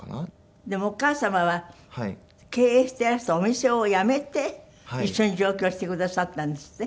でもお母様は経営していらしたお店を辞めて一緒に上京してくださったんですって？